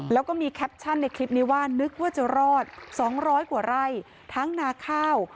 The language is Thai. แล้วก็มีแคปชั่นในคลิปนี้ว่านึกว่าจะรอด๒๐๐กว่าไร่ทั้งนาข้าว